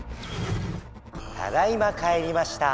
ただいま帰りました！